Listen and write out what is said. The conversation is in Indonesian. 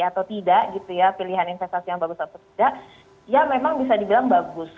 atau tidak gitu ya pilihan investasi yang bagus atau tidak ya memang bisa dibilang bagus